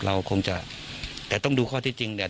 เราคงจะแต่ต้องดูข้อที่จริงเนี่ย